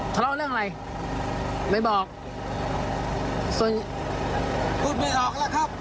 ทะเลาะเรื่องอะไรไม่บอกส่วนพูดไม่ออกแล้วครับ